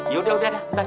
yaudah udah dah